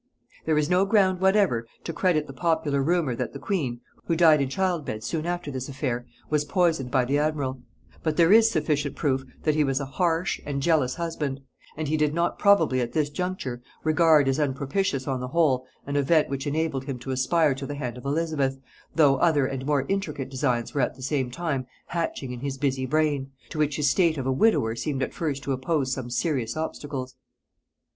] There is no ground whatever to credit the popular rumor that the queen, who died in childbed soon after this affair, was poisoned by the admiral; but there is sufficient proof that he was a harsh and jealous husband; and he did not probably at this juncture regard as unpropitious on the whole, an event which enabled him to aspire to the hand of Elizabeth, though other and more intricate designs were at the same time hatching in his busy brain, to which his state of a widower seemed at first to oppose some serious obstacles.